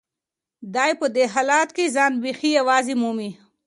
دی په دې حالت کې ځان بیخي یوازې مومي.